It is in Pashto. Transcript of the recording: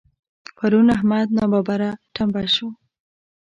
پرون احمد ناببره ټمبه شو.